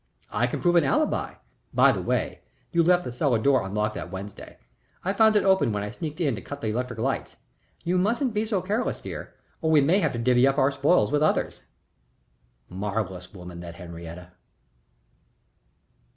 I can prove an alibi. By the way, you left the cellar door unlocked that Wednesday. I found it open when I sneaked in to cut off the electric lights. You mustn't be so careless, dear, or we may have to divvy up our spoil with others." Marvellous woman, that Henriette!